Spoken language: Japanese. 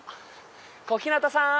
小日向さん！